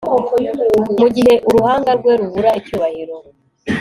mugihe uruhanga rwe rubura icyubahiro